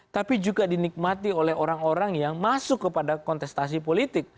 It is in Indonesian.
tapi juga dinikmati oleh orang orang yang masuk kepada kontestasi politik